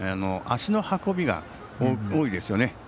足の運びが多いですよね。